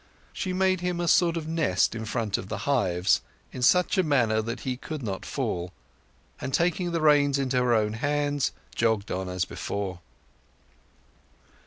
She made him a sort of nest in front of the hives, in such a manner that he could not fall, and, taking the reins into her own hands, jogged on as before.